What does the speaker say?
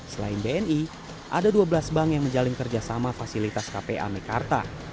selain bni ada dua belas bank yang menjalin kerjasama fasilitas kpa mekarta